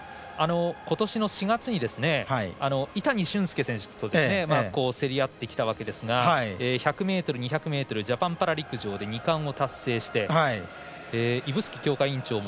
ことし４月に井谷俊介選手と競り合ってきたわけですが１００ｍ、２００ｍジャパンパラ陸上で２冠を達成して指宿強化委員長も